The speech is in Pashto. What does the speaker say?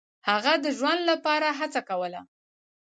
هغه د ژوند لپاره هڅه کوله.